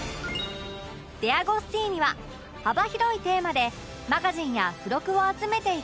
デアゴスティーニは幅広いテーマでマガジンや付録を集めていき